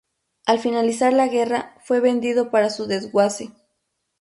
Al finalizar la guerra fue vendido para su desguace.